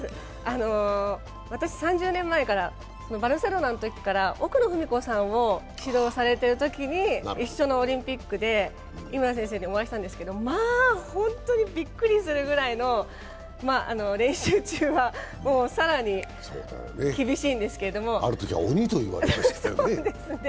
私、３０年前からバルセロナのときから奥野史子さんを指導されているときに一緒のオリンピックで井村先生にお会いしたんですけど、まあ本当にびっくりするぐらいの練習中はあるときは鬼と言われましたね。